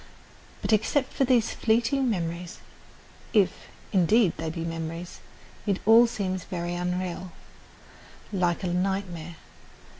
But, except for these fleeting memories, if, indeed, they be memories, it all seems very unreal, like a nightmare.